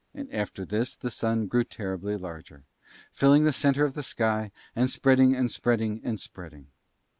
And after this the Sun grew terribly larger, filling the centre of the sky, and spreading and spreading and spreading.